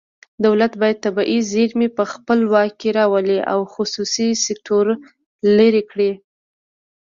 دولت باید طبیعي زیرمې په خپل واک کې راولي او خصوصي سکتور لرې کړي